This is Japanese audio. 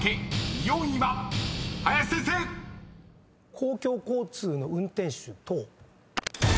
公共交通の運転手等。